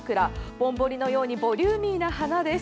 ぼんぼりのようにボリューミーな花です。